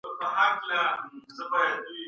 تاسي تېره مياشت څه وکړل؟